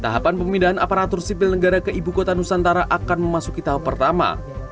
tahapan pemindahan aparatur sipil negara ke ibu kota nusantara akan memasuki tahap pertama